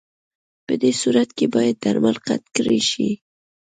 پدې صورت کې باید درمل قطع کړای شي.